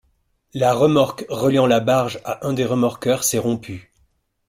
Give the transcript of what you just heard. La remorque reliant la barge à un des remorqueurs s'est rompue.